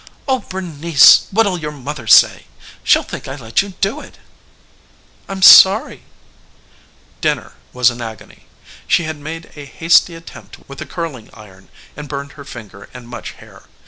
"Oh, Bernice, what'll your mother say? She'll think I let you do it." "I'm sorry." Dinner was an agony. She had made a hasty attempt with a curling iron, and burned her finger and much hair.